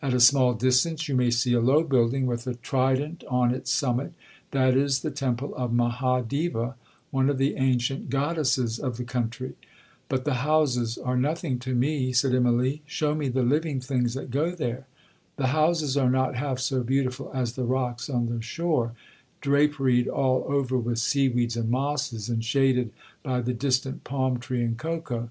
1 At a small distance you may see a low building with a trident on its summit—that is the temple of Maha deva, one of the ancient goddesses of the country.'—'But the houses are nothing to me,' said Immalee, 'shew me the living things that go there. The houses are not half so beautiful as the rocks on the shore, draperied all over with seaweeds and mosses, and shaded by the distant palm tree and cocoa.'